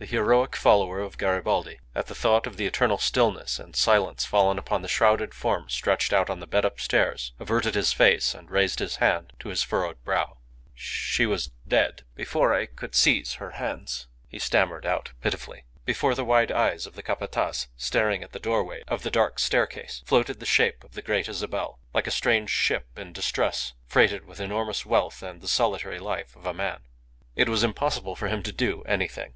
The heroic follower of Garibaldi, at the thought of the eternal stillness and silence fallen upon the shrouded form stretched out on the bed upstairs, averted his face and raised his hand to his furrowed brow. "She was dead before I could seize her hands," he stammered out, pitifully. Before the wide eyes of the Capataz, staring at the doorway of the dark staircase, floated the shape of the Great Isabel, like a strange ship in distress, freighted with enormous wealth and the solitary life of a man. It was impossible for him to do anything.